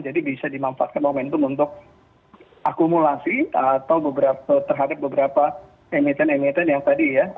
jadi bisa dimanfaatkan momentum untuk akumulasi atau terhadap beberapa emiten emiten yang tadi ya